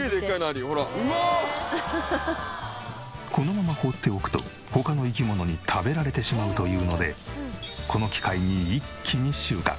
このまま放っておくと他の生き物に食べられてしまうというのでこの機会に一気に収穫。